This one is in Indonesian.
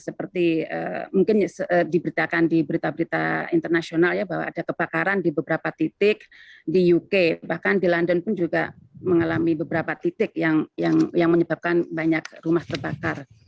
seperti mungkin diberitakan di berita berita internasional ya bahwa ada kebakaran di beberapa titik di uk bahkan di london pun juga mengalami beberapa titik yang menyebabkan banyak rumah terbakar